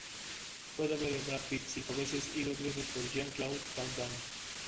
Fue doble de Brad Pitt cinco veces y dos veces para Jean-Claude Van Damme.